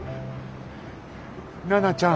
奈々ちゃん。